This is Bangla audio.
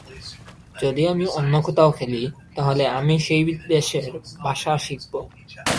যদি আমি অন্য কোথাও খেলি, তাহলে আমি সেই দেশের ভাষা শিখব।